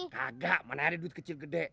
kagak mana ada duit kecil gede